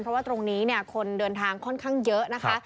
เพราะว่าตรงนี้เนี่ยคนเดินทางค่อนข้างเยอะนะคะ